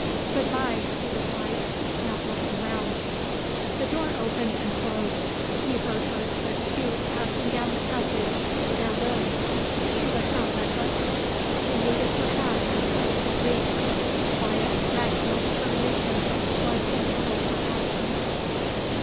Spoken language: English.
"Good bye," he replied, not looking round. The door opened and closed. He heard her swift feet passing down the passage to their room. She was not reckless. She needed her hat and coat at least. Quiet, rational determination was in all her actions.